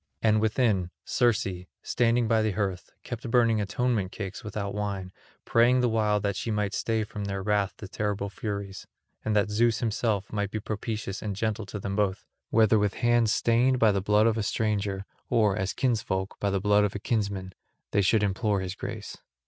And within, Circe, standing by the hearth, kept burning atonement cakes without wine, praying the while that she might stay from their wrath the terrible Furies, and that Zeus himself might be propitious and gentle to them both, whether with hands stained by the blood of a stranger or, as kinsfolk, by the blood of a kinsman, they should implore his grace.